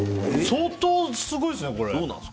相当すごいですね、これ。